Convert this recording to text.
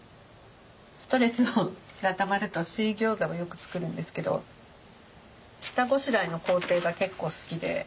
ストレスがたまると水ギョーザをよく作るんですけど下ごしらえの工程が結構好きで。